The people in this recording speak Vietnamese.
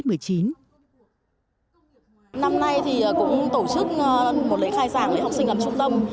năm nay thì cũng tổ chức một lễ khai giảng để học sinh gặp trung tâm